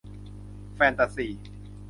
แฟนตาซี